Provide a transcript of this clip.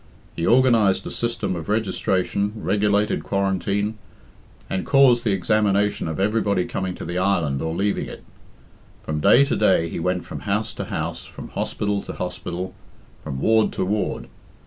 He organised a system of registration, regulated quarantine, and caused the examination of everybody coming to the island or leaving it. From day to day he went from house to house, from hospital to hospital, from ward to ward.